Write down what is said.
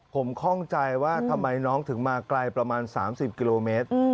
ผมคล่องใจว่าทำไมน้องถึงมาไกลประมาณ๓๐กิโลเมตร